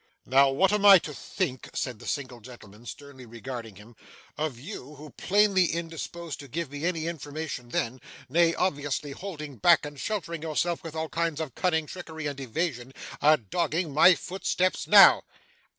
'Now, what am I to think,' said the single gentleman, sternly regarding him, 'of you, who, plainly indisposed to give me any information then nay, obviously holding back, and sheltering yourself with all kinds of cunning, trickery, and evasion are dogging my footsteps now?